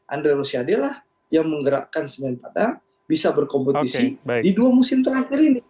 andre rosiade lah yang menggerakkan semen padang bisa berkompetisi di dua musim terakhir ini